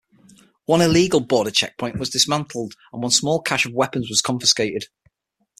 One illegal border checkpoint was dismantled and one small cache of weapons was confiscated.